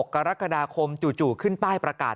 กรกฎาคมจู่ขึ้นป้ายประกาศ